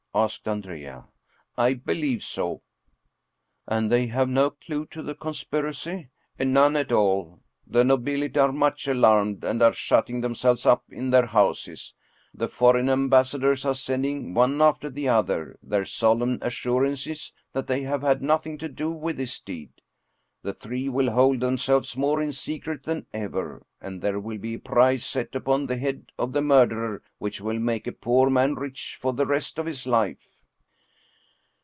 " asked Andrea. " I believe so." " And they have no clew to the conspiracy? "" None at all. The nobility are much alarmed, and are shutting themselves up in their houses. The foreign am bassadors are sending, one after the other, their solemn as surances that they have had nothing to do with this deed. The Three will hold themselves more in secret than ever, and there will be a price set upon the head of the murderer which will make a poor man rich for the rest of his life."